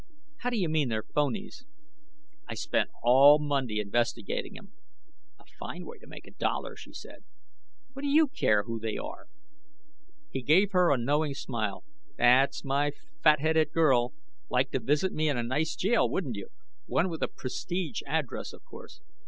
"How do you mean they're phonies?" "I spent all Monday investigating them!" "A fine way to make a dollar," she said. "What do you care who they are?" He gave her a knowing smile. "That's my fat headed girl. Like to visit me in a nice jail, wouldn't you? One with a prestige address, of course.